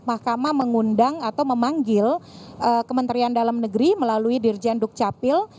mahkamah mengundang atau memanggil kementerian dalam negeri melalui dirjen dukcapil